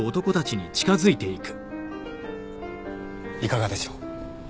いかがでしょう。